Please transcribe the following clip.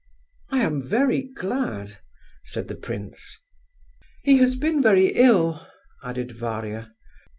"I am very glad," said the prince. "He has been very ill," added Varia.